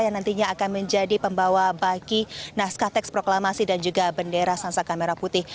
yang nantinya akan menjadi pembawa bagi naskah teks proklamasi dan juga bendera sangsaka merah putih